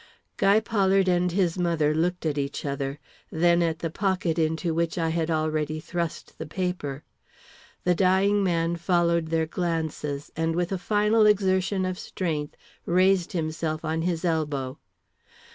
Guy Pollard and his mother looked at each other, then at the pocket into which I had already thrust the paper. The dying man followed their glances, and with a final exertion of strength, raised himself on his elbow.